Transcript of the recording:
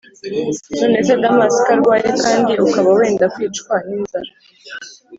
nonese damas, ko urwaye kandi ukaba wenda kwicwa ninzara,